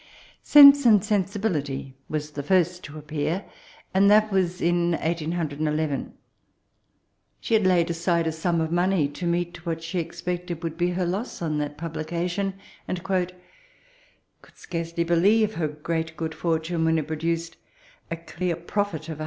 Seiue and Senstoility was the first to appear, and that was in 1811. She had laid aside a sum of money to meet what she expected would be her loss on that publication, and could scarcely believe her great good fortune when it produced a clear profit of £150."